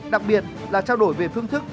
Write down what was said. đặc biệt là trao đổi về phương thức